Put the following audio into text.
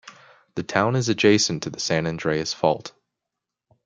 The town is adjacent to the San Andreas Fault.